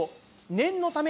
念のため？